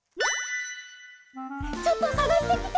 ちょっとさがしてきて！